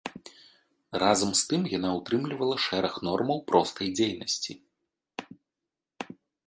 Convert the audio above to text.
Разам з гэтым яна ўтрымлівала шэраг нормаў простай дзейнасці.